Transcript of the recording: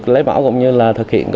lấy mảo cũng như là thực hiện